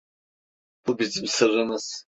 Bu bizim sırrımız.